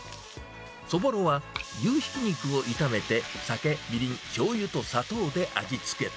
そぼろは牛ひき肉を炒めて、酒、みりん、しょうゆと砂糖で味付け。